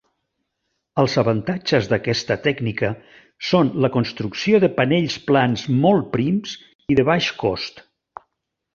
Els avantatges d'aquesta tècnica són la construcció de panells plans molt prims i de baix cost.